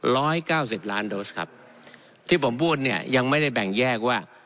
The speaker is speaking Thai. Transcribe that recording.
ร้อยเก้าสิบล้านโดสครับที่ผมพูดเนี่ยยังไม่ได้แบ่งแยกว่า